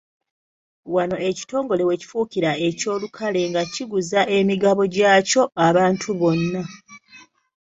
Wano ekitongole we kifuukira eky'olukale nga kiguza emigabo gyakyo abantu bonna.